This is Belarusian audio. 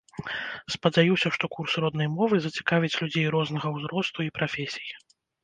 Спадзяюся, што курс роднай мовы зацікавіць людзей рознага ўзросту і прафесій.